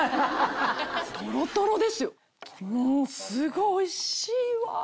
すごいおいしいわ！